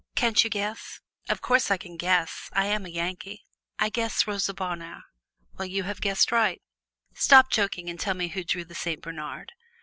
"Can't you guess?" "Of course I can guess. I am a Yankee I guess Rosa Bonheur." "Well, you have guessed right." "Stop joking and tell me who drew the Saint Bernard."